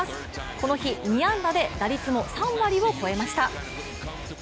この日、２安打で打率も３割を超えました。